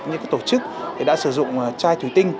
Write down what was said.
những tổ chức đã sử dụng chai thủy tinh